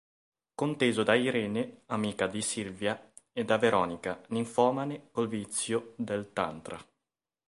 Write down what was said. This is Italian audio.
Conteso da Irene, amica di Silvia, e da Veronica, ninfomane col vizio del Tantra.